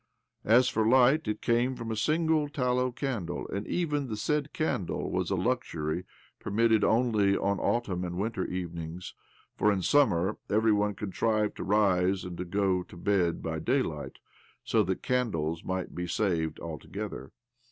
As for lig'ht, it came from' a single tallow candle, and even the said candle was a luxury permitted only on autumn and winter evenings ; for in summer every one contrived to rise and to go to bed by daylight, so that candles might be saved altogether.